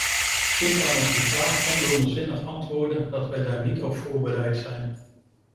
Ik kan op die vraag ondubbelzinnig antwoorden dat wij daar niet op voorbereid zijn.